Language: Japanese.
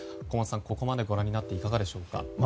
小松さん、ここまでご覧になっていかがでしょうか。